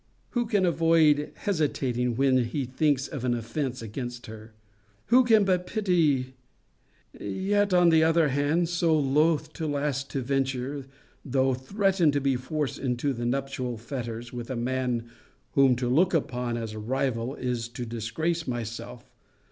Who can avoid hesitating when he thinks of an offence against her? Who can but pity Yet, on the other hand, so loth at last to venture, though threatened to be forced into the nuptial fetters with a man, whom to look upon as a rival, is to disgrace myself!